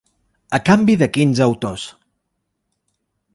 A canvi de quins autors?